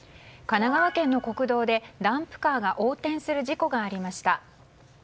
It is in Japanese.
神奈川県の国道でダンプカーが横転する事故がありました。